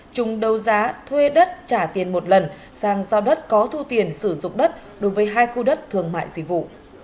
chung đấu giá thuê đất trả tiền một lần sang giao đất có thu tiền sử dụng đất đối với hai khu đất thương mại dịch vụ